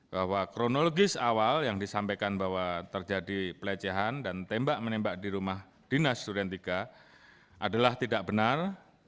bahwa kronologis awal yang disampaikan bahwa terjadi pelecehan dan tembak menembak di rumah dinas studen tiga adalah tidak benar